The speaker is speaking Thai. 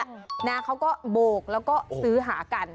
หลานี่เค้าก็บกรู้กิจแล้วก็ซื้อหากัน